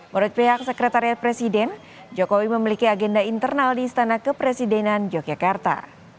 menurut pihak sekretariat presiden jokowi memiliki agenda internal di istana kepresidenan yogyakarta